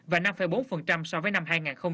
và năm bốn so với năm hai nghìn một mươi tám